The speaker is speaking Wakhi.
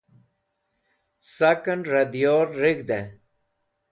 Saken Ra Diyor Reg̃hde